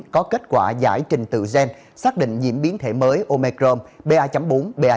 có kết quả giải trình tự gen xác định nhiễm biến thể mới omicron ba bốn ba năm